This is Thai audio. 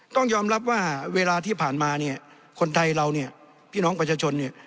ต้องยอมรับว่าเวลาที่ผ่านมาเนี่ยคนไทยเราเนี่ยพี่น้องประชาชนเนี่ย